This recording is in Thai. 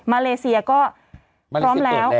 เลเซียก็พร้อมแล้ว